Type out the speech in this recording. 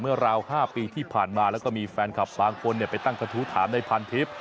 เมื่อราว๕ปีที่ผ่านมาแล้วก็มีแฟนกลับบางคนไปตั้งทศูนย์ถามในพันทิศ